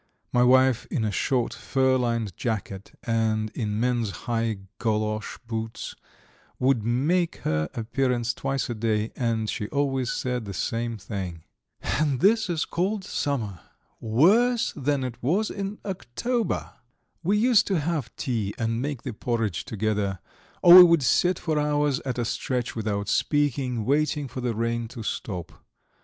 My wife in a short fur lined jacket, and in men's high golosh boots, would make her appearance twice a day, and she always said the same thing: "And this is called summer! Worse than it was in October!" We used to have tea and make the porridge together, or we would sit for hours at a stretch without speaking, waiting for the rain to stop.